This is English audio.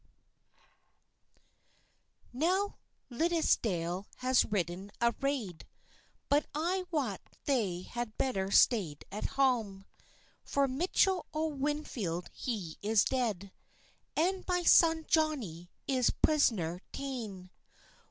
479.) NOW Liddisdale has ridden a raid, But I wat they had better staid at hame; For Mitchell o Winfield he is dead, And my son Johnie is prisner tane?